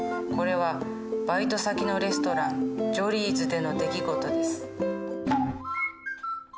これはバイト先のレストランジョリーズでの出来事です。